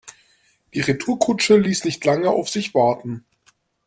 Die Retourkutsche ließ nicht lange auf sich warten.